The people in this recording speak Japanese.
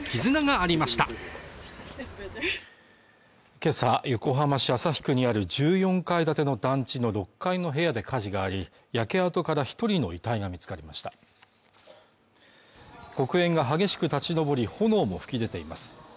今朝横浜市旭区にある１４階建ての団地の６階の部屋で火事があり焼け跡から１人の遺体が見つかりました黒煙が激しく立ち上り炎もふきでています